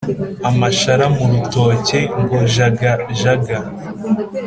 Amashara mu rutoke ngo jagajaga